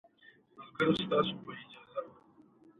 هغه پنځوس سنټه را و ايستل او هغې ته يې ورکړل.